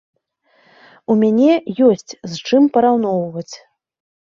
У мяне ёсць, з чым параўноўваць.